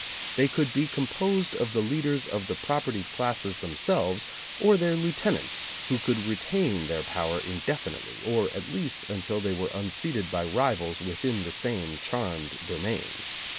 They could be composed of the leaders of the propertied classes themselves or their lieutenants, who could retain their power indefinitely, or at least until they were unseated by rivals within the same charmed domain.